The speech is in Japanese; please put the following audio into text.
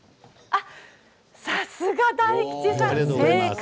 さすが大吉さん、正解。